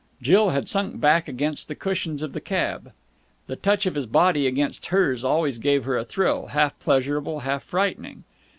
Jill had sunk back against the cushions of the cab. The touch of his body against hers always gave her a thrill, half pleasurable, half frightening.